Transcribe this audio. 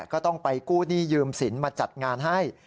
ก็ต้องไปกู้หนี้ยืมสินมาจัดงานให้